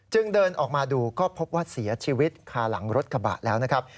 เดินออกมาดูก็พบว่าเสียชีวิตคาหลังรถกระบะแล้วนะครับ